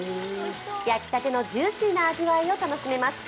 焼きたてのジューシーな味わいを楽しめます。